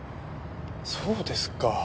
そうですか。